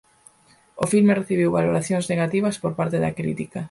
O filme recibiu valoracións negativas por parte da crítica.